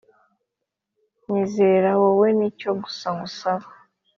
nyizera wowe nicyo gusa nkusabye